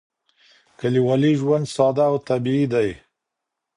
کلیوالي ژوند ساده او طبیعي دی.